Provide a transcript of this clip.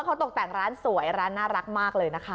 เขาตกแต่งร้านสวยร้านน่ารักมากเลยนะคะ